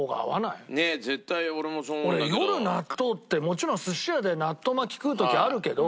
もちろん寿司屋で納豆巻き食う時あるけど。